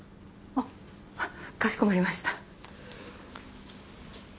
あっかしこまりました。